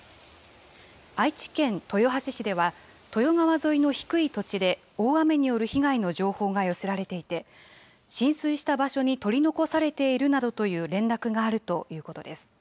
愛知県豊橋市では豊川沿いの低い土地で大雨による被害の情報が寄せられていて、浸水した場所に取り残されているなどという連絡があるということです。